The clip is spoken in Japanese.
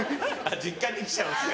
実家に来ちゃうんですか。